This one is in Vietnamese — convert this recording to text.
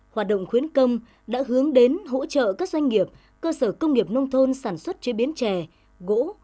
hoạt động khuyến công đã hướng đến hỗ trợ các doanh nghiệp cơ sở công nghiệp nông thôn sản xuất chế biến chè gỗ